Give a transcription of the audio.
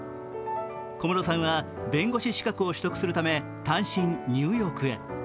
小室さんは弁護士資格を取得するため、単身、ニューヨークへ。